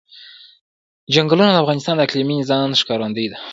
چنګلونه د افغانستان د اقلیمي نظام ښکارندوی ده.